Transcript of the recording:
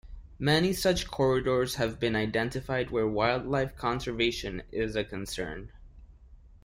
Many such corridors have been identified where wildlife conservation is a concern.